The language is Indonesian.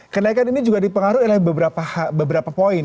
karena ini juga dipengaruhi oleh beberapa poin